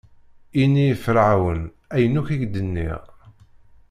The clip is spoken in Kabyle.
Ini i Ferɛun ayen akk i k-d-nniɣ.